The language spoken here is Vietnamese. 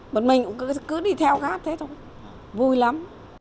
một mình cũng cứ đi theo hát thế thôi vui lắm